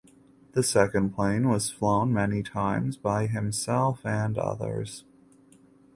The second plane was flown many times by himself and others.